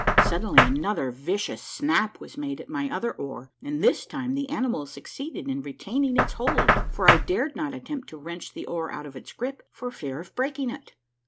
Suddenly another vicious snap was made at my other oar; and this time the animal succeeded in retaining its hold, for I dared not attempt to wrench the oar out of its grip, for fear of breaking it.